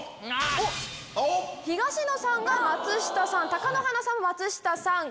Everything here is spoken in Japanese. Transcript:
東野さんが松下さん貴乃花さんも松下さん。